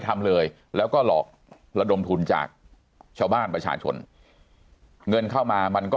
ทำเลยแล้วก็หลอกระดมทุนจากชาวบ้านประชาชนเงินเข้ามามันก็